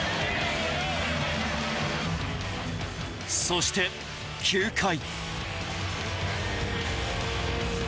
そして９回。